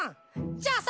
じゃあさ